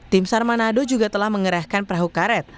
tim sar manado juga telah mengerahkan perahu karet